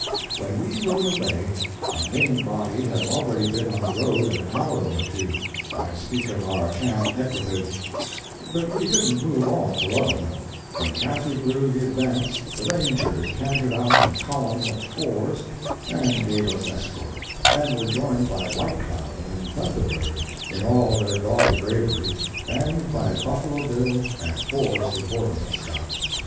When we rode away, our main body had already been on the road an hour or two—I speak of our camp equipage; but we didn't move off alone: when Cathy blew the "advance" the Rangers cantered out in column of fours, and gave us escort, and were joined by White Cloud and Thunder Bird in all their gaudy bravery, and by Buffalo Bill and four subordinate scouts.